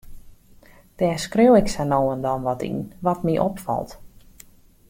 Dêr skriuw ik sa no en dan wat yn, wat my opfalt.